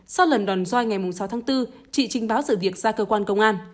sau lần đòn doi ngày sáu tháng bốn chị trình báo sự việc ra cơ quan công an